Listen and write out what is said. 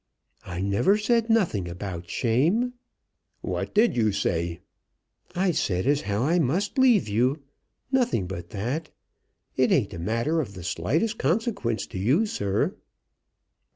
"I never said nothing about shame." "What did you say?" "I said as how I must leave you; nothing but that. It ain't a matter of the slightest consequence to you, sir."